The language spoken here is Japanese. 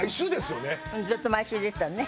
ずっと毎週出てたね。